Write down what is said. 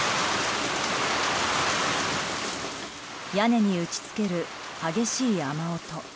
屋根に打ち付ける激しい雨音。